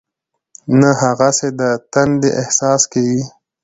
نه هغسې د تندې احساس کېږي.